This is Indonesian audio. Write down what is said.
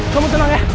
kamu tenang ya